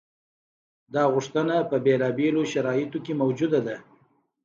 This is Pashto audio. دا غوښتنه په بېلابېلو شرایطو کې موجوده ده.